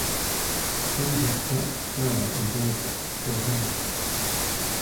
The stems are stour and glabrous, or hairless.